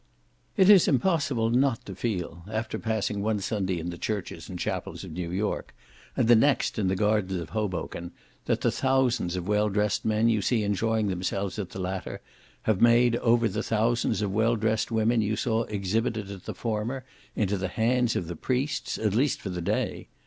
It is impossible not to feel, after passing one Sunday in the churches and chapels of New York, and the next in the gardens of Hoboken, that the thousands of well dressed men you see enjoying themselves at the latter, have made over the thousands of well dressed women you saw exhibited at the former, into the hands of the priests, at least, for the day.